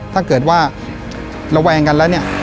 ถ้าเกิดว่าระแวงกันแล้วเนี่ย